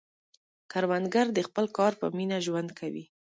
کروندګر د خپل کار په مینه ژوند کوي